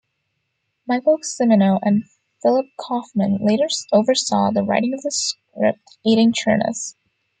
Michael Cimino and Philip Kaufman later oversaw the writing of the script, aiding Chernus.